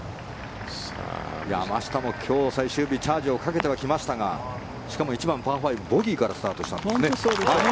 山下も今日最終日チャージをかけてはきましたがしかも、１番、パー５はボギーからスタートしたんですね。